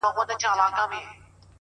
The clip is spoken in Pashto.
ولي مي هره شېبه هر ساعت پر اور کړوې،